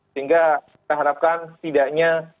sehingga kita harapkan tidaknya